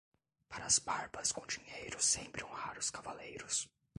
Para as barbas com dinheiro sempre honrar os cavaleiros.